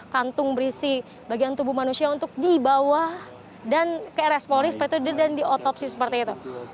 kantung berisi bagian tubuh manusia untuk dibawa dan ke rs polri seperti itu dan diotopsi seperti itu